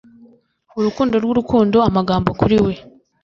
urukundo rw'urukundo Amagambo kuri we